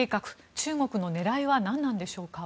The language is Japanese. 中国の狙いはなんなのでしょうか。